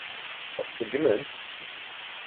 Ad t-seggmen?